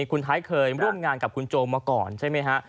คุณไทยเคยร่วมงานกับคุณโจมมาก่อนใช่ไหมฮะ